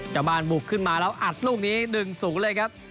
ชาวบ้านบุกขึ้นมาแล้วอัดลูกนี้๑๐เลยครับ